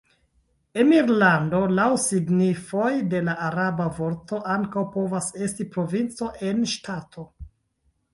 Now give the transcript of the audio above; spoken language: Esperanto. Emirlando, laŭ signifoj de la araba vorto, ankaŭ povas esti provinco en ŝtato.